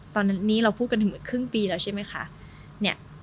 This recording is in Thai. ตอนนี้เราพูดกันขึ้นปีแล้วใช่ไหมคะ